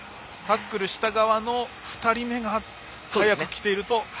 タックルした側の２人目が早く来ていると。